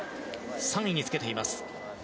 ３位につけています。